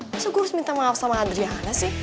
masa gue harus minta maaf sama adriah sih